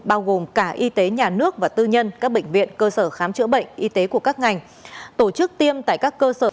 bao gồm cả y tế nhà nước và tư nhân các bệnh viện cơ sở khám chữa bệnh y tế của các ngành tổ chức tiêm tại các cơ sở